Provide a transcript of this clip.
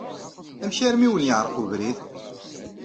Amek armi i wen-yeɛṛeq webrid?